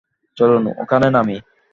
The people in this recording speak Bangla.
চলুন, ওখানে নামি।